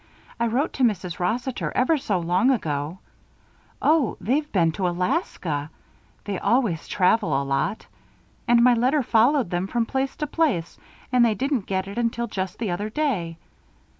"I wrote to Mrs. Rossiter ever so long ago oh! they've been to Alaska they always travel a lot. And my letter followed them from place to place, and they didn't get it until just the other day.